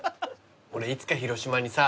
俺いつか広島にさ。